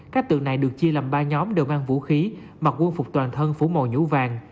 các tượng này được chia làm ba nhóm đều mang vũ khí mặc quân phục toàn thân phủ màu nhũ vàng